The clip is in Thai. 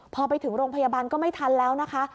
พอไปถึงโรงพยาบาลก็ไม่ทันแล้วนะคะ